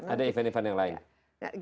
ada event event yang lain